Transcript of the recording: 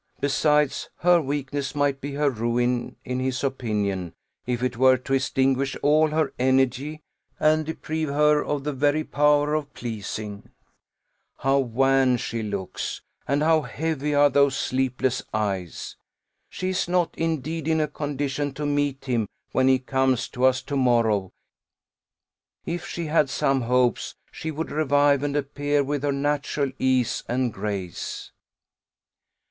Besides, her weakness might be her ruin, in his opinion, if it were to extinguish all her energy, and deprive her of the very power of pleasing. How wan she looks, and how heavy are those sleepless eyes! She is not, indeed, in a condition to meet him, when he comes to us to morrow: if she had some hopes, she would revive and appear with her natural ease and grace.